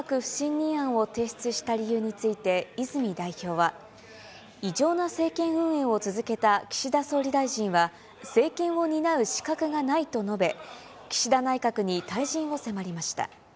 内閣不信任案を提出した理由について、泉代表は、異常な政権運営を続けた岸田総理大臣は、政権を担う資格がないと述べ、岸田内閣に退陣を迫りました。